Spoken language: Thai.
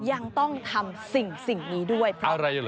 ยังต้องทำสิ่งนี้ด้วยเพราะอะไรเหรอ